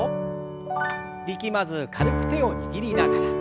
力まず軽く手を握りながら。